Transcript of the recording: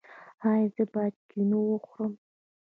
ایا زه باید کینو وخورم؟